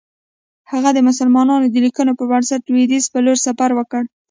هغه د مسلمانانو د لیکنو پر بنسټ لویدیځ پر لور سفر وکړ.